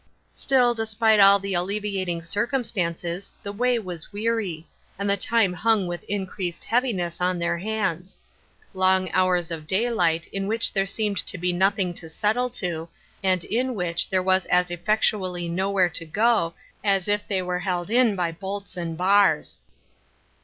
Still despite all the alleviating circumstances, the way was weary, and the time hung with in creased heaviness on their hands —• long hours of daylight, in which there seemed to be nothing to settle to, and in which there was as effectu ally nowhere to go, as if they were held in by bolts and bars.